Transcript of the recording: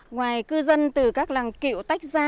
ngoài cư dân từ các làng cựu tách ra